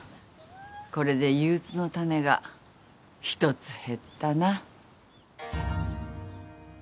これで憂鬱の種が一つ減ったな。